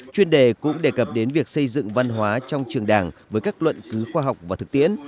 chuyên đề cũng đề cập đến việc xây dựng văn hóa trong trường đảng với các luận cứu khoa học và thực tiễn